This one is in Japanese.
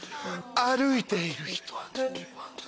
歩いている人。